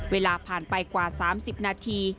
เวลาผ่านไปกว่า๓๐นาที